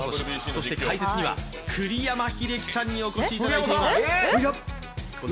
そして解説には栗山英樹さんにお越しいただいています。